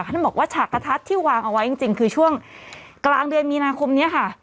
ท่านบอกว่าฉากกระทัดที่วางเอาไว้จริงคือช่วงกลางเดือนมีนาคมนี้ค่ะ